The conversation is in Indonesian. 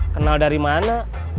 kenal dari mana